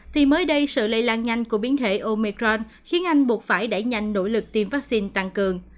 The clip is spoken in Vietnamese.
thì mới đây sự lây lan nhanh của biến thể omicron khiến anh buộc phải đẩy nhanh nỗ lực tiêm vaccine tăng cường